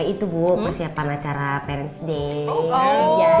itu bu persiapan acara paris day